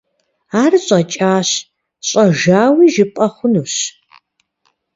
Ар щӀэкӀащ, щӀэжауи жыпӀэ хъунущ.